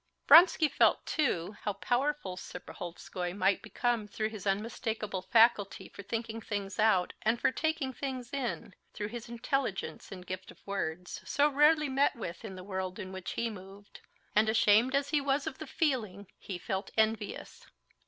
Vronsky felt, too, how powerful Serpuhovskoy might become through his unmistakable faculty for thinking things out and for taking things in, through his intelligence and gift of words, so rarely met with in the world in which he moved. And, ashamed as he was of the feeling, he felt envious.